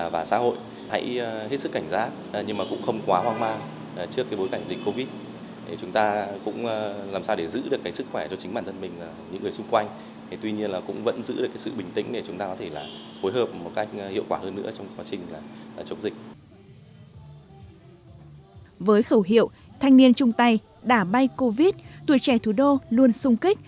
với khẩu hiệu thanh niên trung tây đã bay covid tuổi trẻ thủ đô luôn sung kích